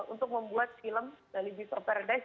untuk membuat film bali beasts of paradise